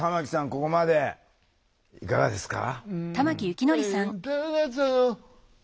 ここまでいかがですか？